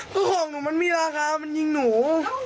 คือของหนูมันมีราคามันยิงหนู